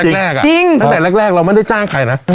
จริงจริงจริงหลังจากแรกอย่างเราไม่ได้จ้างใครน่ะ